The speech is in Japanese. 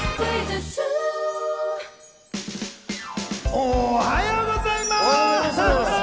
おはようございます。